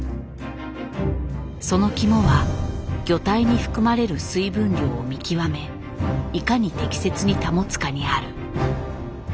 その肝は魚体に含まれる水分量を見極めいかに適切に保つかにある。